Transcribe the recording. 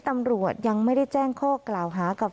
ตำรวจยังไม่ได้แจ้งข้อกล่าวหากับ